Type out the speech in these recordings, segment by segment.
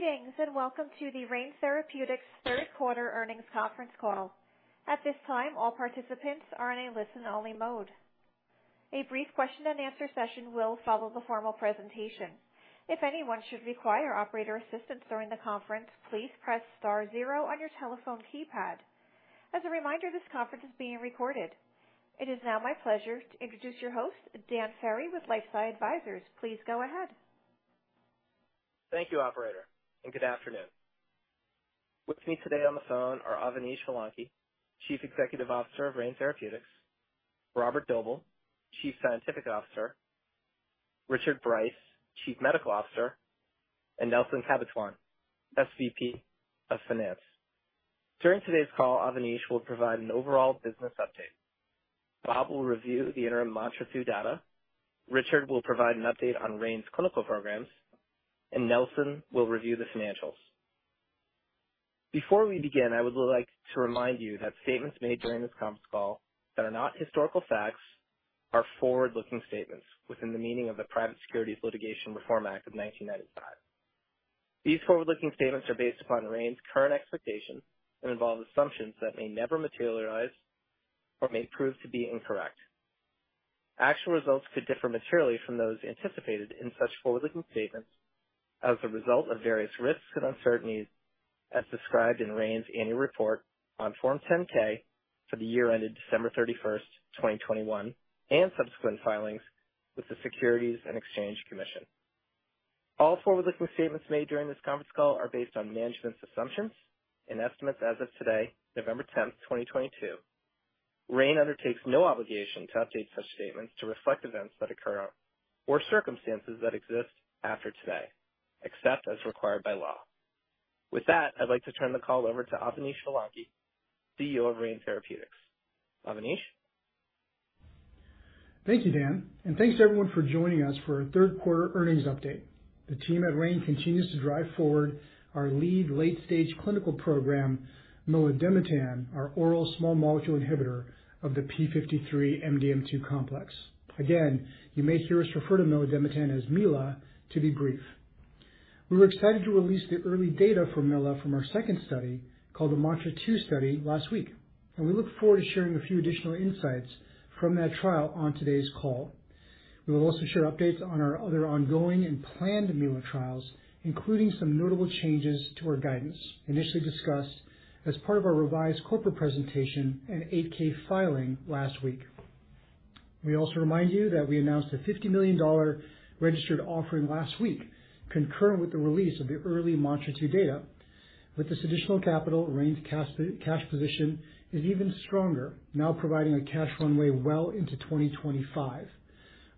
Greetings, and welcome to the Rain Therapeutics third quarter earnings conference call. At this time, all participants are in a listen-only mode. A brief question-and-answer session will follow the formal presentation. If anyone should require operator assistance during the conference, please press star zero on your telephone keypad. As a reminder, this conference is being recorded. It is now my pleasure to introduce your host, Dan Ferry with LifeSci Advisors. Please go ahead. Thank you operator, and good afternoon. With me today on the phone are Avanish Vellanki, Chief Executive Officer of Rain Therapeutics, Robert Doebele, Chief Scientific Officer, Richard Bryce, Chief Medical Officer, and Nelson Cabatuan, SVP of Finance. During today's call, Avanish will provide an overall business update. Bob will review the interim MANTRA-2 data. Richard will provide an update on Rain's clinical programs, and Nelson will review the financials. Before we begin, I would like to remind you that statements made during this conference call that are not historical facts are forward-looking statements within the meaning of the Private Securities Litigation Reform Act of 1995. These forward-looking statements are based upon Rain's current expectations and involve assumptions that may never materialize or may prove to be incorrect. Actual results could differ materially from those anticipated in such forward-looking statements as a result of various risks and uncertainties as described in Rain's Annual Report on Form 10-K for the year ended December 31, 2021, and subsequent filings with the Securities and Exchange Commission. All forward-looking statements made during this conference call are based on management's assumptions and estimates as of today, November 10, 2022. Rain undertakes no obligation to update such statements to reflect events that occur or circumstances that exist after today, except as required by law. With that, I'd like to turn the call over to Avanish Vellanki, CEO of Rain Therapeutics. Avanish? Thank you, Dan, and thanks everyone for joining us for our third quarter earnings update. The team at Rain continues to drive forward our lead late-stage clinical program, milademetan, our oral small molecule inhibitor of the p53-MDM2 complex. Again, you may hear us refer to milademetan as Mila to be brief. We were excited to release the early data for Mila from our second study, called the MANTRA-2 study, last week, and we look forward to sharing a few additional insights from that trial on today's call. We will also share updates on our other ongoing and planned Mila trials, including some notable changes to our guidance, initially discussed as part of our revised corporate presentation and 8-K filing last week. We also remind you that we announced a $50 million registered offering last week, concurrent with the release of the early MANTRA-2 data. With this additional capital, Rain's cash position is even stronger, now providing a cash runway well into 2025.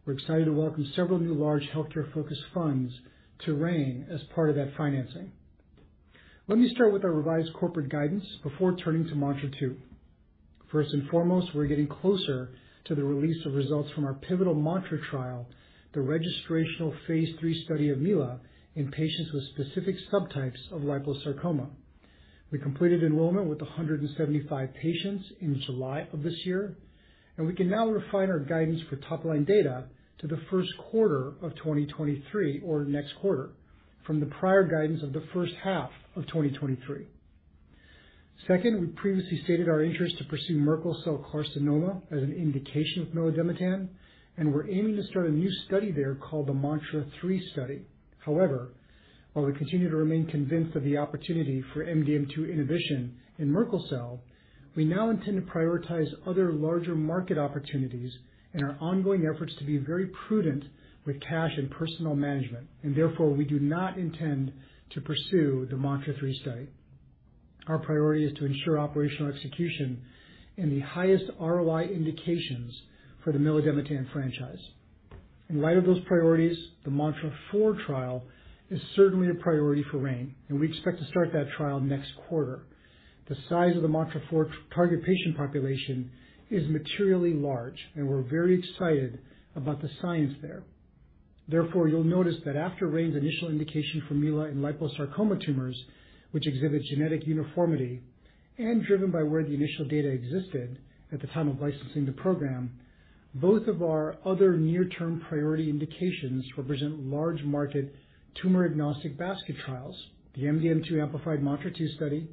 We're excited to welcome several new large healthcare-focused funds to Rain as part of that financing. Let me start with our revised corporate guidance before turning to MANTRA-2. First and foremost, we're getting closer to the release of results from our pivotal MANTRA trial, the registrational phase III study of Mila in patients with specific subtypes of liposarcoma. We completed enrollment with 175 patients in July of this year, and we can now refine our guidance for top-line data to the first quarter of 2023 or next quarter from the prior guidance of the first half of 2023. Second, we previously stated our interest to pursue Merkel cell carcinoma as an indication of milademetan, and we're aiming to start a new study there called the MANTRA-3 study. However, while we continue to remain convinced of the opportunity for MDM2 inhibition in Merkel cell, we now intend to prioritize other larger market opportunities in our ongoing efforts to be very prudent with cash and personal management. Therefore, we do not intend to pursue the MANTRA-3 study. Our priority is to ensure operational execution in the highest ROI indications for the milademetan franchise. In light of those priorities, the MANTRA-4 trial is certainly a priority for Rain, and we expect to start that trial next quarter. The size of the MANTRA-4 target patient population is materially large, and we're very excited about the science there. Therefore, you'll notice that after Rain's initial indication for Mila in liposarcoma tumors, which exhibit genetic uniformity, and driven by where the initial data existed at the time of licensing the program, both of our other near-term priority indications represent large market tumor-agnostic basket trials, the MDM2-amplified MANTRA-2 study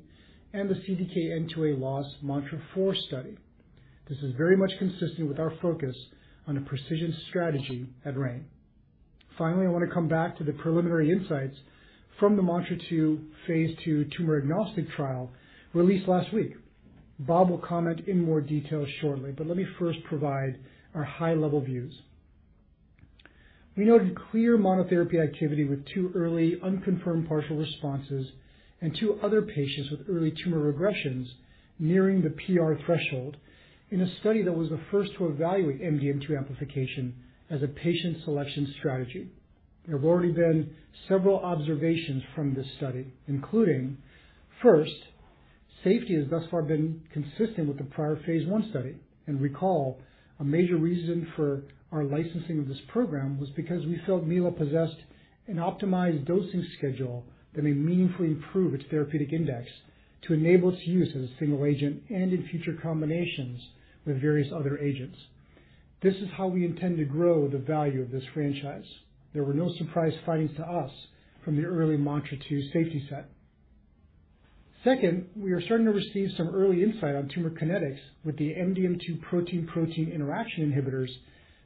and the CDKN2A-loss MANTRA-4 study. This is very much consistent with our focus on a precision strategy at Rain. Finally, I wanna come back to the preliminary insights from the MANTRA-2 phase II tumor-agnostic trial released last week. Bob will comment in more detail shortly, but let me first provide our high-level views. We noted clear monotherapy activity with two early unconfirmed partial responses and two other patients with early tumor regressions nearing the PR threshold in a study that was the first to evaluate MDM2 amplification as a patient selection strategy. There have already been several observations from this study, including, first, safety has thus far been consistent with the prior phase I study. Recall, a major reason for our licensing of this program was because we felt Mila possessed an optimized dosing schedule that may meaningfully improve its therapeutic index to enable its use as a single agent and in future combinations with various other agents. This is how we intend to grow the value of this franchise. There were no surprise findings to us from the early MANTRA-2 safety set. Second, we are starting to receive some early insight on tumor kinetics with the MDM2 protein-protein interaction inhibitors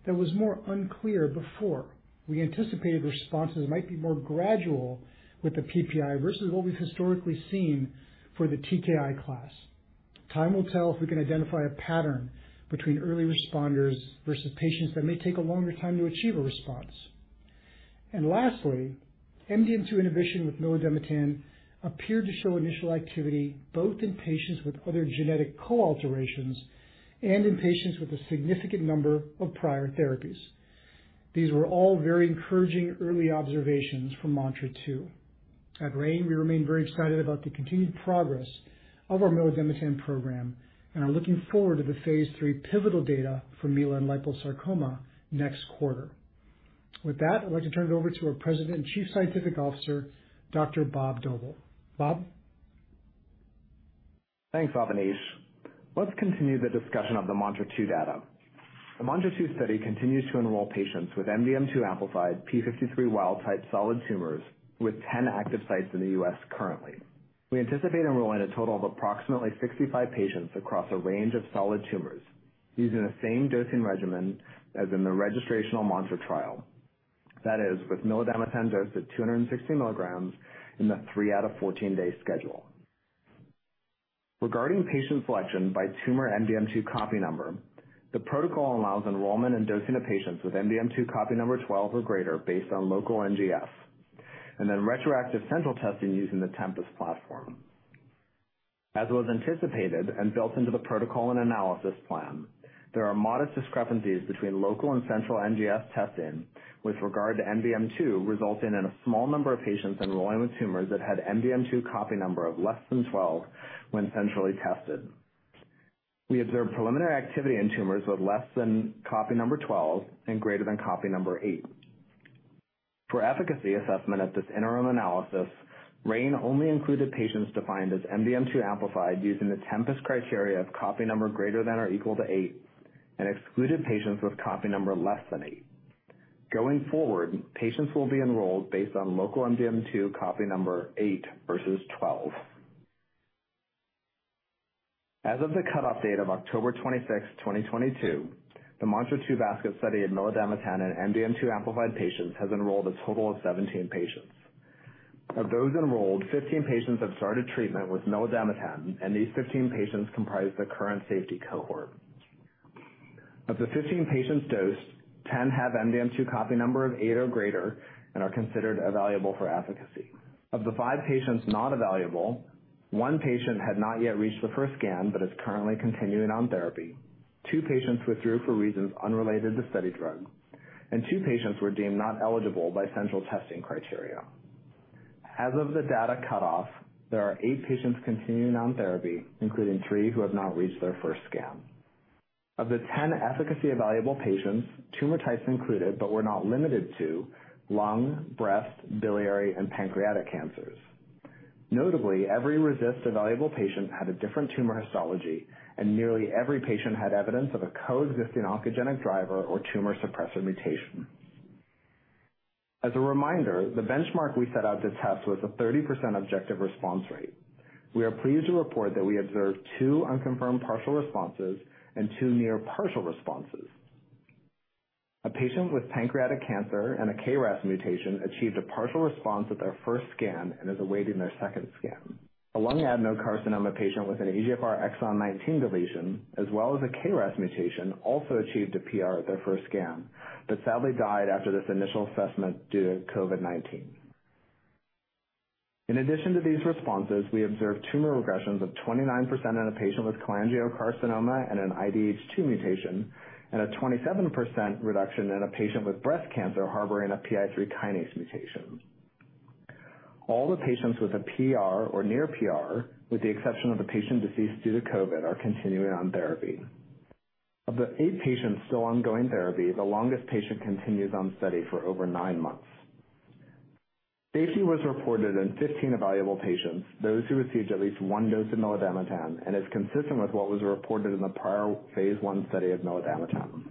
that was more unclear before. We anticipated responses might be more gradual with the PPI versus what we've historically seen for the TKI class. Time will tell if we can identify a pattern between early responders versus patients that may take a longer time to achieve a response. Lastly, MDM2 inhibition with milademetan appeared to show initial activity both in patients with other genetic co-alterations and in patients with a significant number of prior therapies. These were all very encouraging early observations from MANTRA-2. At Rain, we remain very excited about the continued progress of our milademetan program and are looking forward to the phase III pivotal data for Mila and liposarcoma next quarter. With that, I'd like to turn it over to our President and Chief Scientific Officer, Dr. Bob Doebele. Bob? Thanks, Avanish. Let's continue the discussion of the MANTRA-2 data. The MANTRA-2 study continues to enroll patients with MDM2 amplified p53 wild type solid tumors with 10 active sites in the U.S. currently. We anticipate enrolling a total of approximately 65 patients across a range of solid tumors using the same dosing regimen as in the registrational MANTRA trial. That is, with milademetan dosed at 260 mg in the three out of 14-day schedule. Regarding patient selection by tumor MDM2 copy number, the protocol allows enrollment and dosing of patients with MDM2 copy number 12 or greater based on local NGS, and then retroactive central testing using the Tempus platform. As was anticipated and built into the protocol and analysis plan, there are modest discrepancies between local and central NGS testing with regard to MDM2, resulting in a small number of patients enrolling with tumors that had MDM2 copy number of less than 12 when centrally tested. We observed preliminary activity in tumors with less than copy number 12 and greater than copy number 8. For efficacy assessment at this interim analysis, Rain only included patients defined as MDM2 amplified using the Tempus criteria of copy number greater than or equal to 8 and excluded patients with copy number less than 8. Going forward, patients will be enrolled based on local MDM2 copy number 8 versus 12. As of the cutoff date of October 26, 2022, the MANTRA-2 basket study of milademetan in MDM2-amplified patients has enrolled a total of 17 patients. Of those enrolled, 15 patients have started treatment with milademetan, and these 15 patients comprise the current safety cohort. Of the 15 patients dosed, 10 have MDM2 copy number of 8 or greater and are considered evaluable for efficacy. Of the five patients not evaluable, one patient had not yet reached the first scan but is currently continuing on therapy. Two patients withdrew for reasons unrelated to study drug, and two patients were deemed not eligible by central testing criteria. As of the data cutoff, there are eight patients continuing on therapy, including three who have not reached their first scan. Of the 10 efficacy evaluable patients, tumor types included but were not limited to lung, breast, biliary, and pancreatic cancers. Notably, every RECIST evaluable patient had a different tumor histology, and nearly every patient had evidence of a coexisting oncogenic driver or tumor suppressor mutation. As a reminder, the benchmark we set out to test was a 30% objective response rate. We are pleased to report that we observed two unconfirmed partial responses and two near partial responses. A patient with pancreatic cancer and a KRAS mutation achieved a partial response at their first scan and is awaiting their second scan. A lung adenocarcinoma patient with an EGFR exon 19 deletion as well as a KRAS mutation also achieved a PR at their first scan, but sadly died after this initial assessment due to COVID-19. In addition to these responses, we observed tumor regressions of 29% in a patient with cholangiocarcinoma and an IDH2 mutation, and a 27% reduction in a patient with breast cancer harboring a PI3 kinase mutation. All the patients with a PR or near PR, with the exception of a patient deceased due to COVID, are continuing on therapy. Of the eight patients still ongoing therapy, the longest patient continues on study for over nine months. Safety was reported in 15 evaluable patients, those who received at least one dose of milademetan, and is consistent with what was reported in the prior phase I study of milademetan.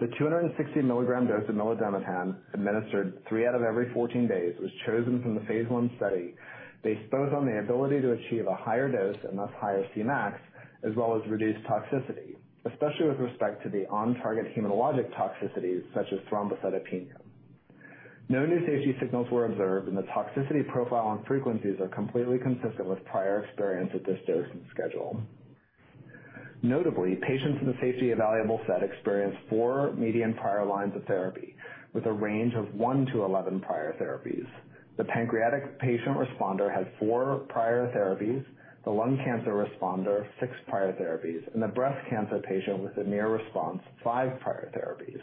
The 260 mg dose of milademetan administered three out of every 14 days was chosen from the phase I study based both on the ability to achieve a higher dose and thus higher Cmax, as well as reduced toxicity, especially with respect to the on-target hematologic toxicities such as thrombocytopenia. No new safety signals were observed, and the toxicity profile and frequencies are completely consistent with prior experience with this dosing schedule. Notably, patients in the safety evaluable set experienced four median prior lines of therapy with a range of 1-11 prior therapies. The pancreatic patient responder had four prior therapies, the lung cancer responder six prior therapies, and the breast cancer patient with a near response, five prior therapies.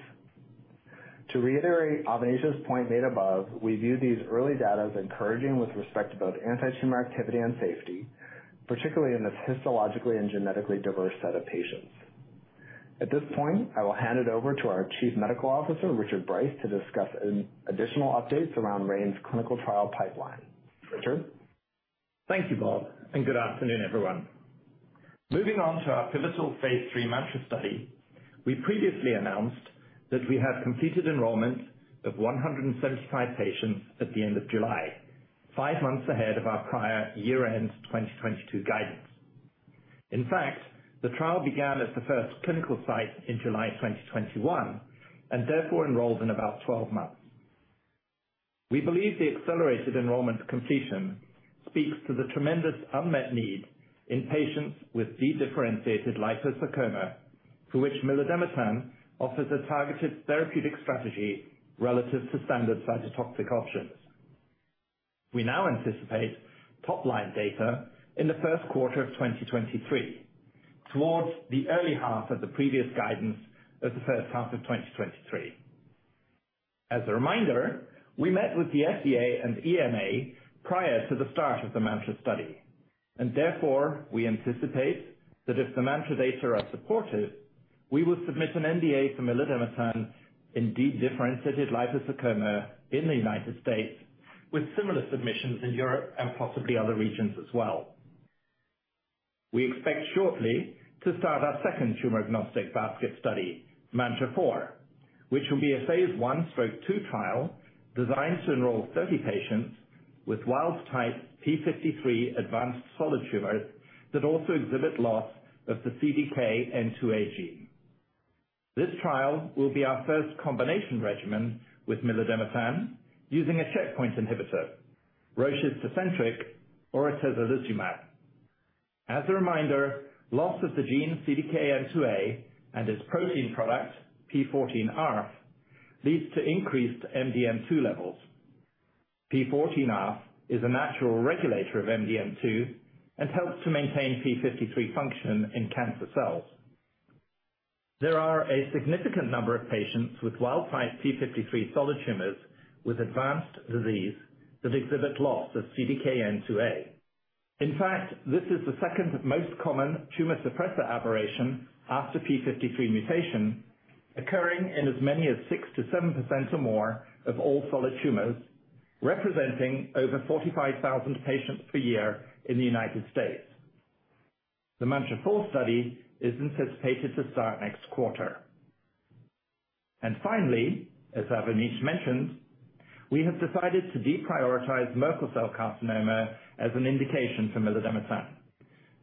To reiterate Avanish's point made above, we view these early data as encouraging with respect to both antitumor activity and safety, particularly in this histologically and genetically diverse set of patients. At this point, I will hand it over to our Chief Medical Officer, Richard Bryce, to discuss an additional updates around Rain's clinical trial pipeline. Richard? Thank you, Bob, and good afternoon, everyone. Moving on to our pivotal phase III MANTRA study, we previously announced that we had completed enrollment of 175 patients at the end of July, five months ahead of our prior year-end 2022 guidance. In fact, the trial began at the first clinical site in July 2021, and therefore enrolled in about 12 months. We believe the accelerated enrollment completion speaks to the tremendous unmet need in patients with dedifferentiated liposarcoma, for which milademetan offers a targeted therapeutic strategy relative to standard cytotoxic options. We now anticipate top-line data in the first quarter of 2023, towards the early half of the previous guidance of the first half of 2023. As a reminder, we met with the FDA and EMA prior to the start of the MANTRA study. Therefore, we anticipate that if the MANTRA data are supportive, we will submit an NDA for milademetan in dedifferentiated liposarcoma in the United States with similar submissions in Europe and possibly other regions as well. We expect shortly to start our second tumor-agnostic basket study, MANTRA-4, which will be a phase I/II trial designed to enroll 30 patients with wild-type p53 advanced solid tumors that also exhibit loss of the CDKN2A gene. This trial will be our first combination regimen with milademetan using a checkpoint inhibitor, Roche's Tecentriq or atezolizumab. As a reminder, loss of the gene CDKN2A and its protein product, p14ARF, leads to increased MDM2 levels. p14ARF is a natural regulator of MDM2 and helps to maintain p53 function in cancer cells. There are a significant number of patients with wild-type p53 solid tumors with advanced disease that exhibit loss of CDKN2A. In fact, this is the second most common tumor suppressor aberration after p53 mutation, occurring in as many as 6%-7% or more of all solid tumors, representing over 45,000 patients per year in the United States. The MANTRA-4 study is anticipated to start next quarter. Finally, as Avanish mentioned, we have decided to deprioritize Merkel cell carcinoma as an indication for milademetan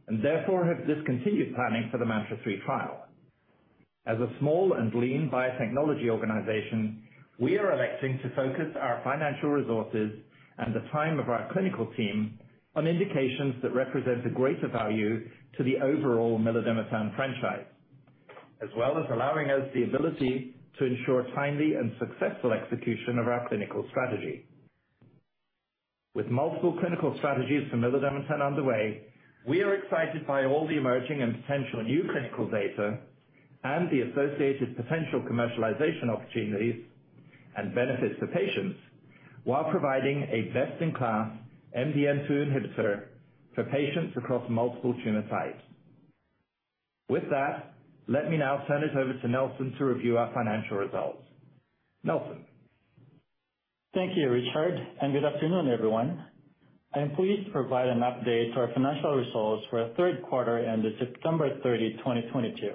and therefore have discontinued planning for the MANTRA-3 trial. As a small and lean biotechnology organization, we are electing to focus our financial resources and the time of our clinical team on indications that represent a greater value to the overall milademetan franchise, as well as allowing us the ability to ensure timely and successful execution of our clinical strategy. With multiple clinical strategies for milademetan underway, we are excited by all the emerging and potential new clinical data and the associated potential commercialization opportunities and benefits to patients while providing a best-in-class MDM2 inhibitor for patients across multiple tumor types. With that, let me now turn it over to Nelson to review our financial results. Nelson. Thank you, Richard, and good afternoon, everyone. I am pleased to provide an update to our financial results for the third quarter and September 30, 2022.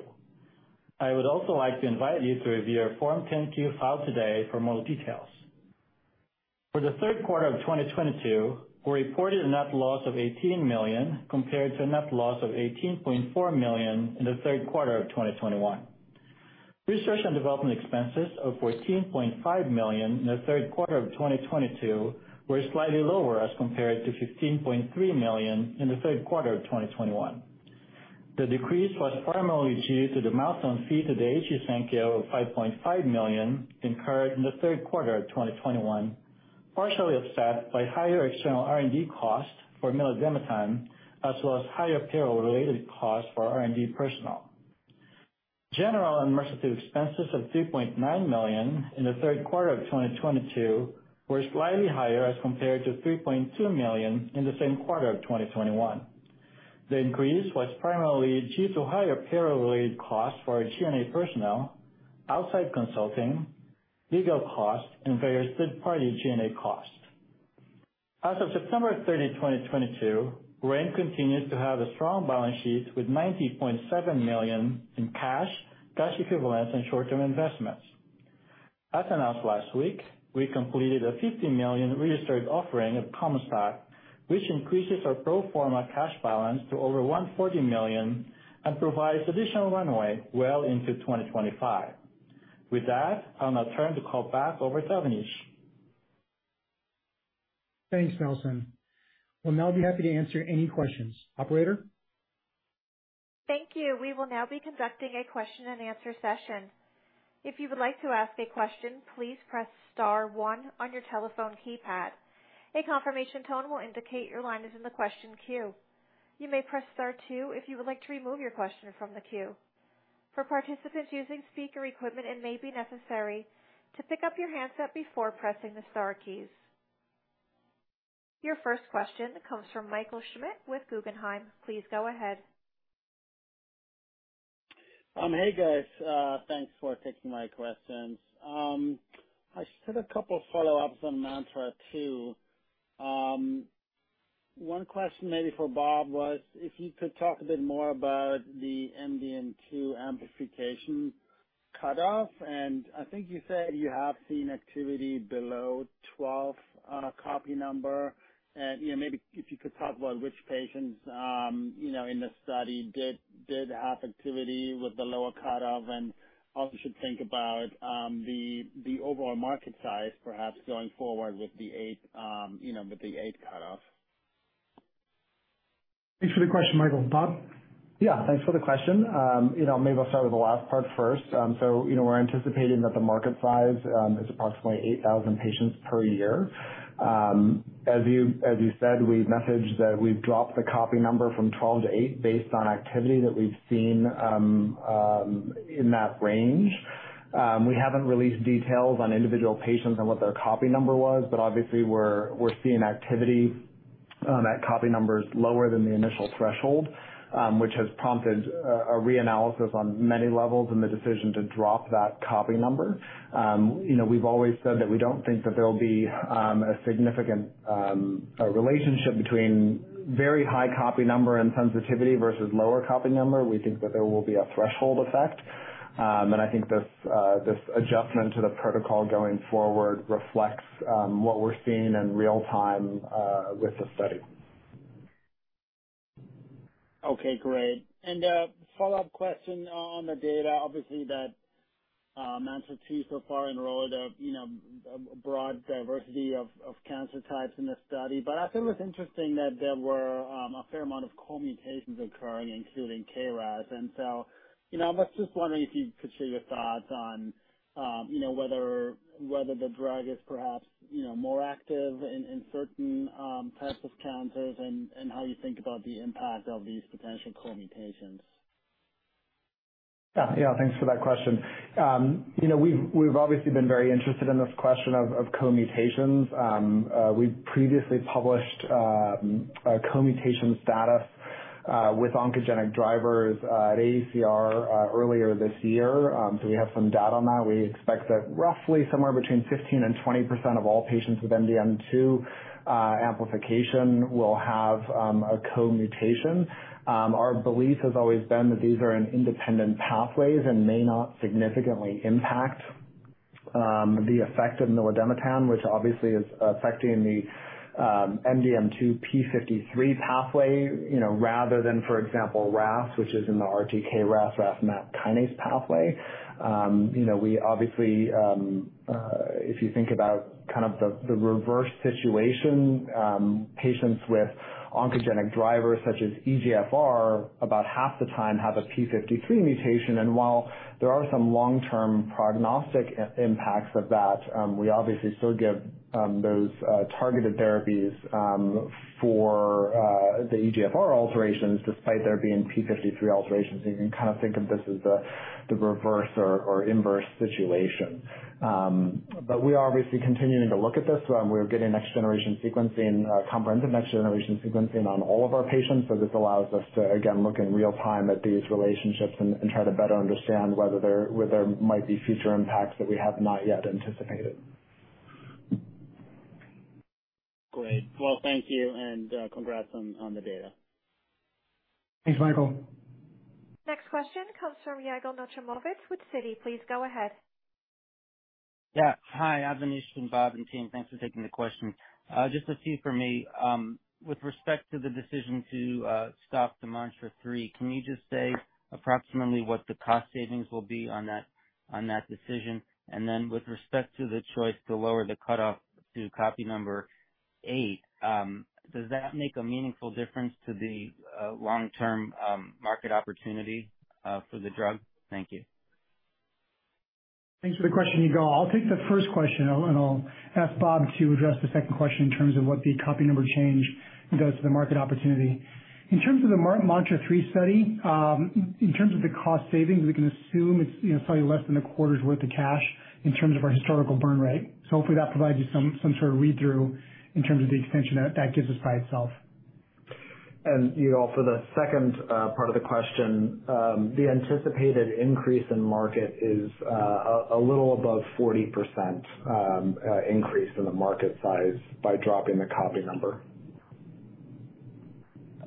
I would also like to invite you to review our Form 10-Q filed today for more details. For the third quarter of 2022, we reported a net loss of $18 million compared to a net loss of $18.4 million in the third quarter of 2021. Research and development expenses of $14.5 million in the third quarter of 2022 were slightly lower as compared to $15.3 million in the third quarter of 2021. The decrease was primarily due to the milestone fee to Daiichi Sankyo of $5.5 million incurred in the third quarter of 2021, partially offset by higher external R&D costs for milademetan, as well as higher payroll-related costs for R&D personnel. General and administrative expenses of $3.9 million in the third quarter of 2022 were slightly higher as compared to $3.2 million in the same quarter of 2021. The increase was primarily due to higher payroll-related costs for our G&A personnel, outside consulting, legal costs, and various third-party G&A costs. As of September 30, 2022, Rain continued to have a strong balance sheet with $90.7 million in cash equivalents, and short-term investments. As announced last week, we completed a $50 million registered offering of common stock, which increases our pro forma cash balance to over $140 million and provides additional runway well into 2025. With that, I'll now turn the call back over to Avanish. Thanks, Nelson. We'll now be happy to answer any questions. Operator? Thank you. We will now be conducting a question and answer session. If you would like to ask a question, please press star one on your telephone keypad. A confirmation tone will indicate your line is in the question queue. You may press star two if you would like to remove your question from the queue. For participants using speaker equipment, it may be necessary to pick up your handset before pressing the star keys. Your first question comes from Michael Schmidt with Guggenheim. Please go ahead. Hey guys, thanks for taking my questions. I just had a couple follow-ups on MANTRA-2. One question maybe for Bob was if you could talk a bit more about the MDM2 amplification cutoff, and I think you said you have seen activity below 12 copy number. You know, maybe if you could talk about which patients, you know, in the study did have activity with the lower cutoff and how we should think about the overall market size perhaps going forward with the eight, you know, with the eight cutoff. Thanks for the question, Michael. Bob? Yeah, thanks for the question. You know, maybe I'll start with the last part first. So, you know, we're anticipating that the market size is approximately 8,000 patients per year. As you said, we've messaged that we've dropped the copy number from 12 to 8 based on activity that we've seen in that range. We haven't released details on individual patients and what their copy number was, but obviously we're seeing activity at copy numbers lower than the initial threshold, which has prompted a reanalysis on many levels in the decision to drop that copy number. You know, we've always said that we don't think that there'll be a significant relationship between very high copy number and sensitivity versus lower copy number. We think that there will be a threshold effect. I think this adjustment to the protocol going forward reflects what we're seeing in real time with the study. Okay, great. A follow-up question on the data. Obviously that, MANTRA-2 so far enrolled a, you know, a broad diversity of cancer types in the study. But I thought it was interesting that there were a fair amount of co-mutations occurring, including KRAS. You know, I was just wondering if you could share your thoughts on, you know, whether the drug is perhaps, you know, more active in certain types of cancers and how you think about the impact of these potential co-mutations. Yeah, yeah, thanks for that question. You know, we've obviously been very interested in this question of co-mutations. We previously published a co-mutation status with oncogenic drivers at AACR earlier this year. So we have some data on that. We expect that roughly somewhere between 15% and 20% of all patients with MDM2 amplification will have a co-mutation. Our belief has always been that these are in independent pathways and may not significantly impact the effect of milademetan, which obviously is affecting the MDM2-p53 pathway, you know, rather than, for example, RAS, which is in the RTK/RAS MAP kinase pathway. You know, we obviously if you think about kind of the reverse situation, patients with oncogenic drivers such as EGFR, about half the time have a p53 mutation. While there are some long-term prognostic impacts of that, we obviously still give those targeted therapies for the EGFR alterations despite there being p53 alterations. You can kind of think of this as the reverse or inverse situation. We are obviously continuing to look at this. We're getting next generation sequencing, comprehensive next generation sequencing on all of our patients, so this allows us to again look in real time at these relationships and try to better understand whether there might be future impacts that we have not yet anticipated. Great. Well, thank you, and congrats on the data. Thanks, Michael. Next question comes from Yigal Nochomovitz with Citi. Please go ahead. Yeah. Hi, Avanish from Bob and team. Thanks for taking the question. Just a few for me. With respect to the decision to stop the MANTRA-3, can you just say approximately what the cost savings will be on that, on that decision? With respect to the choice to lower the cutoff to copy number 8, does that make a meaningful difference to the long-term market opportunity for the drug? Thank you. Thanks for the question, Yigal. I'll take the first question and I'll ask Bob to address the second question in terms of what the copy number change does to the market opportunity. In terms of the MANTRA-3 study, in terms of the cost savings, we can assume it's you know probably less than a quarter's worth of cash in terms of our historical burn rate. Hopefully that provides you some sort of read-through in terms of the extension that that gives us by itself. Yigal, for the second part of the question, the anticipated increase in market is a little above 40% increase in the market size by dropping the copy number.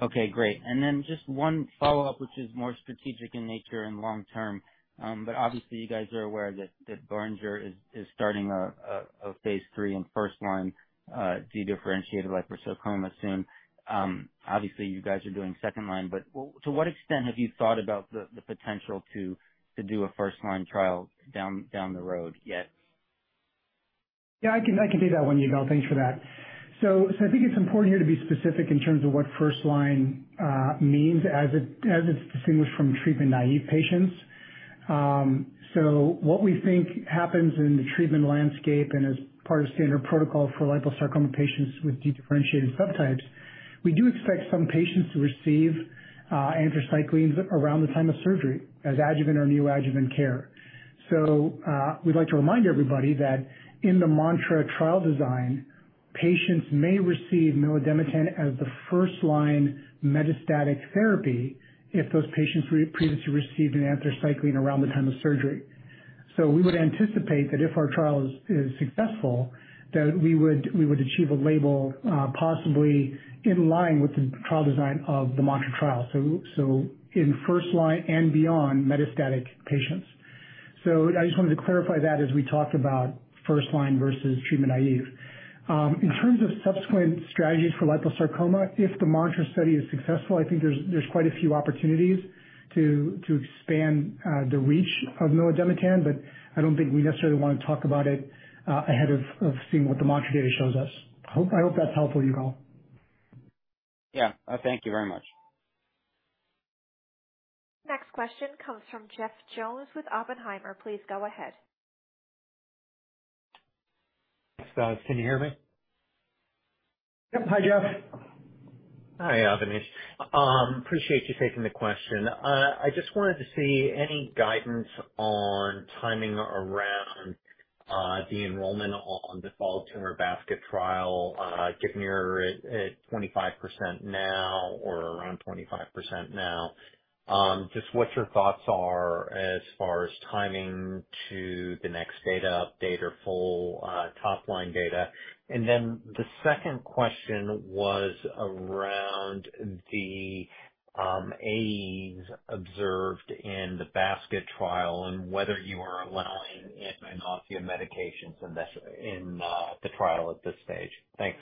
Okay, great. Just one follow-up, which is more strategic in nature and long-term. Obviously you guys are aware that Boehringer is starting a phase III in first-line dedifferentiated liposarcoma soon. Obviously you guys are doing second-line, but to what extent have you thought about the potential to do a first-line trial down the road yet? Yeah, I can take that one, Yigal. Thanks for that. I think it's important here to be specific in terms of what first line means as it's distinguished from treatment naive patients. What we think happens in the treatment landscape and as part of standard protocol for liposarcoma patients with differentiated subtypes, we do expect some patients to receive anthracyclines around the time of surgery as adjuvant or neoadjuvant care. We'd like to remind everybody that in the MANTRA trial design, patients may receive milademetan as the first line metastatic therapy if those patients previously received an anthracycline around the time of surgery. We would anticipate that if our trial is successful, that we would achieve a label possibly in line with the trial design of the MANTRA trial. In first-line and beyond metastatic patients. I just wanted to clarify that as we talked about first-line versus treatment-naive. In terms of subsequent strategies for liposarcoma, if the MANTRA study is successful, I think there's quite a few opportunities to expand the reach of milademetan, but I don't think we necessarily wanna talk about it ahead of seeing what the MANTRA data shows us. I hope that's helpful, Yigal. Yeah. Thank you very much. Next question comes from Jeff Jones with Oppenheimer. Please go ahead. Thanks, guys. Can you hear me? Yep. Hi, Jeff. Hi, Avanish. Appreciate you taking the question. I just wanted to see any guidance on timing around the enrollment in solid tumor basket trial, given you're at 25% now or around 25% now. Just what your thoughts are as far as timing to the next data update or full top line data. The second question was around the AEs observed in the basket trial and whether you are allowing anti-nausea medications in this trial at this stage. Thanks.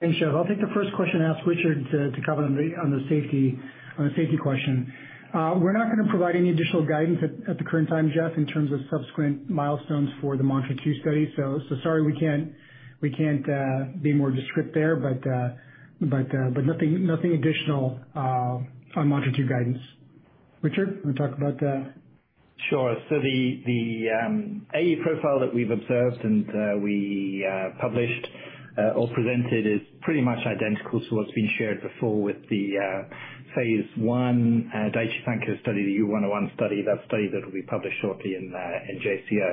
Thanks, Jeff. I'll take the first question, ask Richard to cover on the safety question. We're not gonna provide any additional guidance at the current time, Jeff, in terms of subsequent milestones for the MANTRA-2 study. Sorry we can't be more descriptive there, but nothing additional on MANTRA-2 guidance. Richard, wanna talk about that? Sure. The AE profile that we've observed and we published or presented is pretty much identical to what's been shared before with the phase I Daiichi Sankyo study, the U101 study. That study will be published shortly in JCO.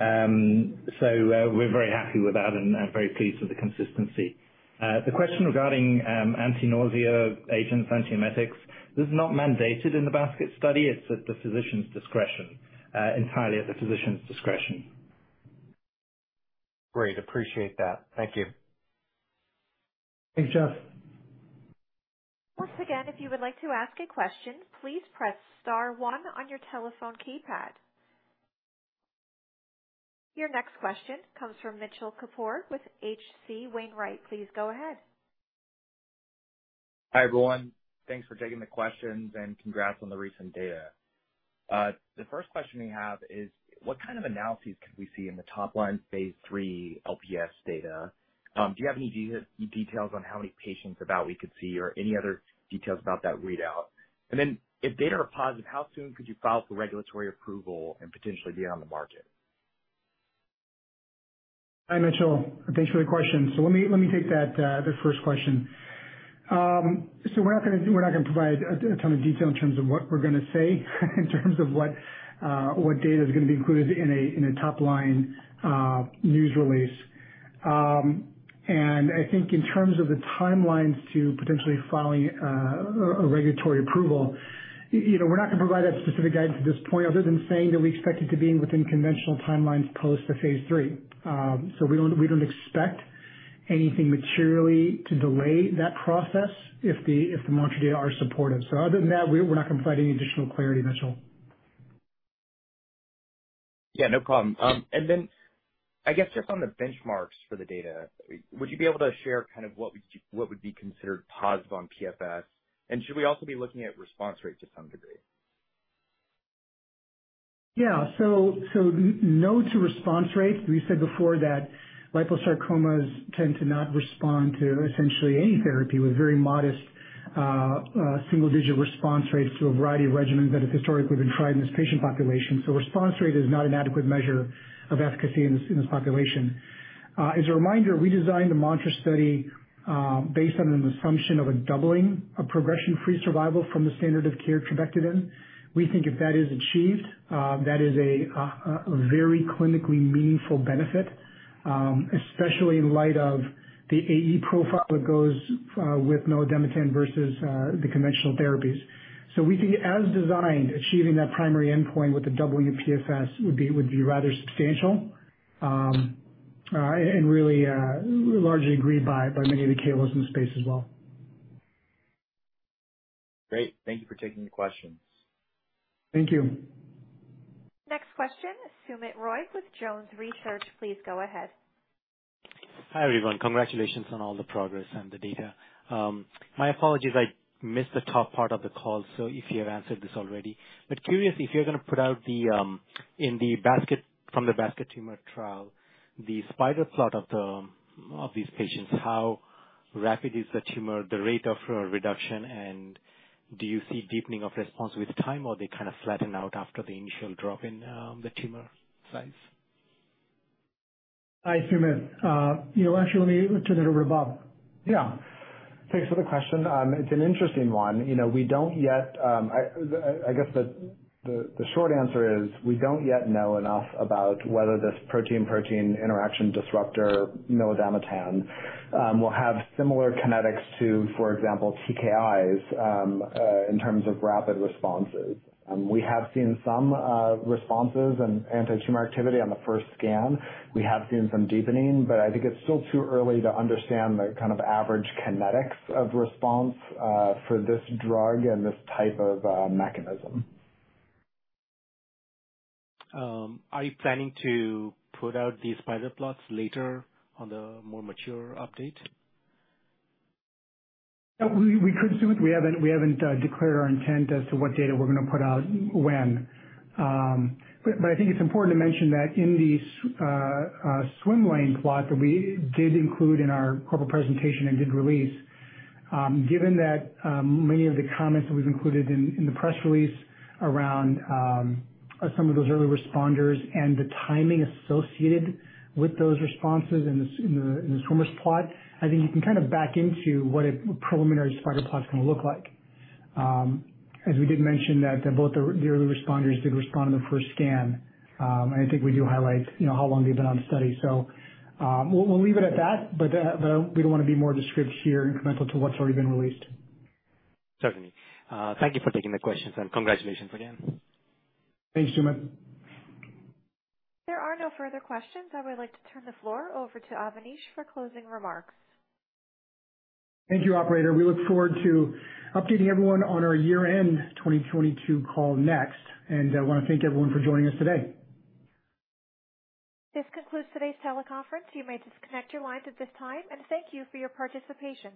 We're very happy with that and very pleased with the consistency. The question regarding anti-nausea agents, antiemetics, this is not mandated in the basket study. It's at the physician's discretion, entirely at the physician's discretion. Great. Appreciate that. Thank you. Thanks, Jeff. Once again, if you would like to ask a question, please press star one on your telephone keypad. Your next question comes from Mitchell Kapoor with H.C. Wainwright. Please go ahead. Hi, everyone. Thanks for taking the questions, and congrats on the recent data. The first question we have is, what kind of analyses could we see in the top line phase III LPS data? Do you have any details on how many patients we could see or any other details about that readout? Then if data are positive, how soon could you file for regulatory approval and potentially be on the market? Hi, Mitchell. Thanks for the question. Let me take that the first question. We're not gonna provide a ton of detail in terms of what we're gonna say, in terms of what data is gonna be included in a topline news release. I think in terms of the timelines to potentially filing a regulatory approval, you know, we're not gonna provide that specific guidance at this point other than saying that we expect it to be within conventional timelines post the phase III. We don't expect anything materially to delay that process if the MANTRA data are supportive. Other than that, we're not gonna provide any additional clarity, Mitchell. Yeah, no problem. I guess just on the benchmarks for the data, would you be able to share kind of what would be considered positive on PFS? Should we also be looking at response rates to some degree? No to response rates. We said before that liposarcomas tend to not respond to essentially any therapy with very modest single digit response rates to a variety of regimens that have historically been tried in this patient population. Response rate is not an adequate measure of efficacy in this population. As a reminder, we designed the MANTRA study based on an assumption of a doubling of progression-free survival from the standard of care trabectedin. We think if that is achieved, that is a very clinically meaningful benefit, especially in light of the AE profile that goes with milademetan versus the conventional therapies. We think as designed, achieving that primary endpoint with the PFS would be rather substantial, and really, largely agreed by many of the KOLs in the space as well. Great. Thank you for taking the questions. Thank you. Next question, Soumit Roy with Jones Trading. Please go ahead. Hi, everyone. Congratulations on all the progress and the data. My apologies, I missed the top part of the call, so if you have answered this already. Curious if you're gonna put out the spider plot from the basket trial of these patients, how rapid is the rate of tumor reduction, and do you see deepening of response with time, or they kinda flatten out after the initial drop in the tumor size? Hi, Soumit. You know, actually let me turn it over to Bob. Yeah. Thanks for the question. It's an interesting one. You know, we don't yet know enough about whether this protein-protein interaction disruptor, milademetan, will have similar kinetics to, for example, TKIs, in terms of rapid responses. We have seen some responses and antitumor activity on the first scan. We have seen some deepening, but I think it's still too early to understand the kind of average kinetics of response, for this drug and this type of mechanism. Are you planning to put out these spider plots later on the more mature update? We could do it. We haven't declared our intent as to what data we're gonna put out when. I think it's important to mention that in the swimmer's plot that we did include in our corporate presentation and did release, given that many of the comments that we've included in the press release around some of those early responders and the timing associated with those responses in the swimmer's plot, I think you can kind of back into what a preliminary spider plot's gonna look like. As we did mention that both the early responders did respond on the first scan. I think we do highlight, you know, how long they've been on the study. We'll leave it at that, but we don't wanna be more descriptive here incremental to what's already been released. Certainly. Thank you for taking the questions, and congratulations again. Thanks, Soumit. There are no further questions. I would like to turn the floor over to Avanish for closing remarks. Thank you, operator. We look forward to updating everyone on our year-end 2022 call next. I wanna thank everyone for joining us today. This concludes today's teleconference. You may disconnect your lines at this time, and thank you for your participation.